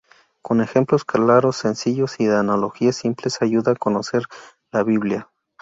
Con ejemplos claros, sencillos y analogías simples ayuda a conocer la Biblia.